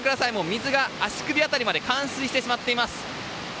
水が足首辺りまで冠水してしまっています。